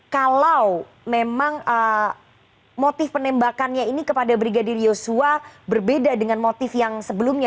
kalau memang motif penembakannya ini kepada brigadir yosua berbeda dengan motif yang sebelumnya